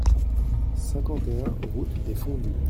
cinquante et un route des Fondus